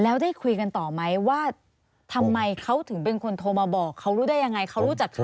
แล้วได้คุยกันต่อไหมว่าทำไมเขาถึงเป็นคนโทรมาบอกเขารู้ได้ยังไงเขารู้จักเธอ